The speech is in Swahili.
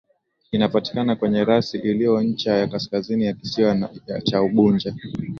Inapatikana kwenye rasi iliyo ncha ya kaskazini ya kisiwa cha Unguja